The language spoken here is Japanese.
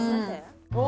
お。